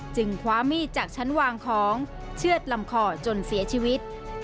คว้ามีดจากชั้นวางของเชื่อดลำคอจนเสียชีวิต